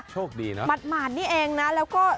โชคดีนะหมาดนี่เองนะแล้วก็